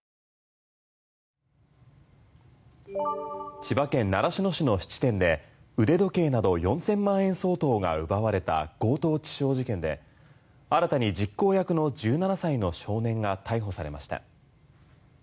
千葉県習志野市の質店で腕時計など４０００万円相当が奪われた強盗致傷事件で新たに実行役の１７歳の少年が逮捕されました。